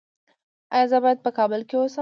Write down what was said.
ایا زه باید په کابل کې اوسم؟